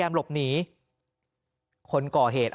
มันมีปืน